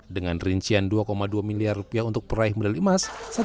dengan rincian dua dua miliar rupiah untuk peraih medali emas